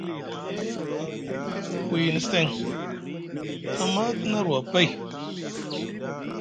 Te wiyini seŋ Ama te na arwa pay,